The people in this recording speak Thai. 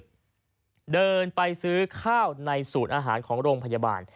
ก็เดินไปซื้อข้าวในสูตรอาหารของโรงพยาบาล